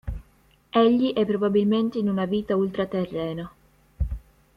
Egli è probabilmente in una vita ultraterrena.